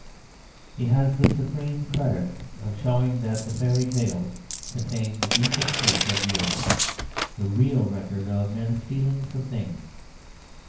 He has the supreme credit of showing that the fairy tales contain the deepest truth of the earth, the real record of men's feeling for things.